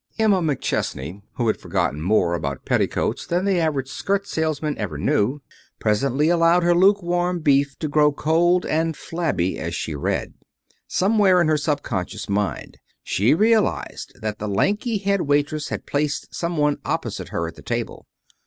Emma McChesney, who had forgotten more about petticoats than the average skirt salesman ever knew, presently allowed her luke warm beef to grow cold and flabby as she read. Somewhere in her subconscious mind she realized that the lanky head waitress had placed some one opposite her at the table.